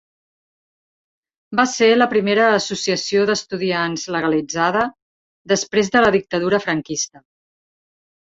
Va ser la primera associació d'estudiants legalitzada després de la dictadura franquista.